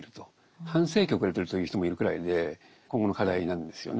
半世紀遅れてると言う人もいるくらいで今後の課題なんですよね